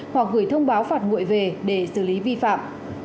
hoặc gửi thông báo phạt nguội về để xử lý vi phạm